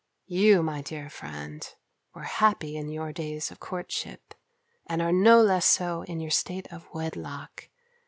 You, my dear friend, were happy in your days of courtship, and are no less so in your state of wedlock.